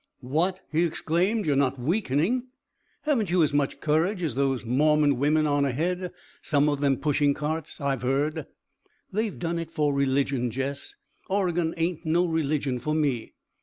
"What?" he exclaimed. "You're not weakening? Haven't you as much courage as those Mormon women on ahead? Some of them pushing carts, I've heard." "They've done it for religion, Jess. Oregon ain't no religion for me."